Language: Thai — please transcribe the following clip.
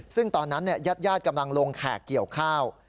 ซึ่งตอนนั้นญาติกำลังลงแขกเกี่ยวข้าว